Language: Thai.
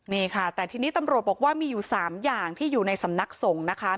นี่ค่ะแต่ทีนี้ตำรวจบอกว่ามีอยู่๓อย่างที่อยู่ในสำนักสงฆ์นะคะ